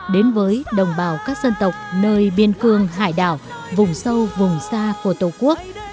đến với đồng bào các dân tộc nơi biên cương hải đảo vùng sâu vùng xa của tổ quốc